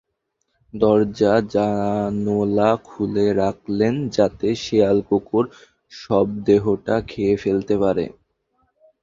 দরজা-জানোলা খুলে রাখলেন, যাতে শেয়াল-কুকুর শবদেহটা খেয়ে ফেলতে পারে।